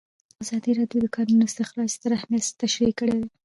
ازادي راډیو د د کانونو استخراج ستر اهميت تشریح کړی.